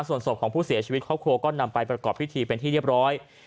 ส่วนศพของผู้เสียชีวิตครอบครัวก็นำไปประกอบพิธีเป็นที่เรียบร้อย